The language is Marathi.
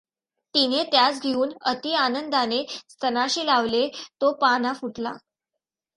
तिने त्यास घेऊन अति आनंदाने स्तनाशी लाविले, तो पान्हा फुटला.